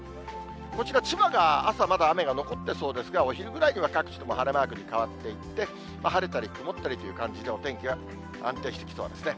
こちら、千葉が朝まだ雨が残ってそうですが、お昼ぐらいから、各地とも晴れマークに変わっていって、晴れたり曇ったりという感じで、お天気は安定してきそうですね。